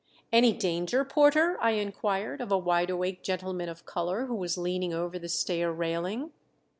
"Any danger, Porter?" I inquired of a wide awake gentleman of color, who was leaning over the stair railing.